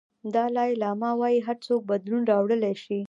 دالای لاما وایي هر څوک بدلون راوړلی شي.